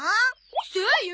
そうよ！